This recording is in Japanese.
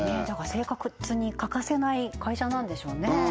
生活に欠かせない会社なんでしょうね